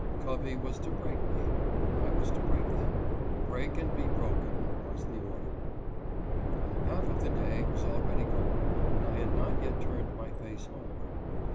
Covey was to break me — I was to break them. Break and be broken was the order Half of the day was already gone and I had not yet turned my face homeward.